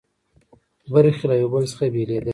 برخې له یو بل څخه بېلېدلې.